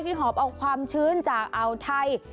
หอบเอาความชื้นจากอ่าวไทย